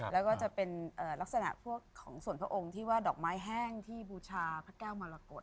แล้วก็จะเป็นลักษณะพวกของส่วนพระองค์ที่ว่าดอกไม้แห้งที่บูชาพระแก้วมรกฏ